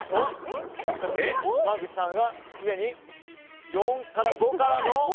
しかし、濱口さんがすでに４から５からの。